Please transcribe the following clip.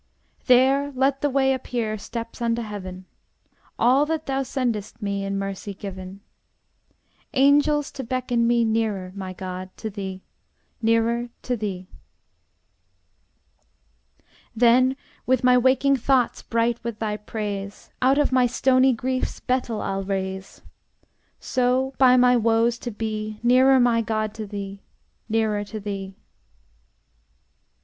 There let the way appear Steps unto heaven; All that thou sendest me In mercy given; Angels to beckon me Nearer, my God, to thee, Nearer to thee! Then with my waking thoughts Bright with thy praise, Out of my stony griefs Bethel I'll raise; So by my woes to be Nearer, my God, to thee, Nearer to thee!